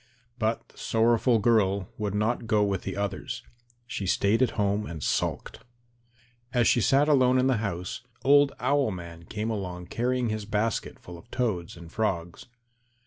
But the sorrowful girl would not go with the others. She stayed at home and sulked. As she sat alone in the house, old Owl man came along carrying his basket full of toads and frogs.